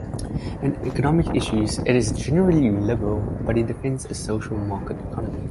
In economic issues, it is generally liberal, but it defends a social market economy.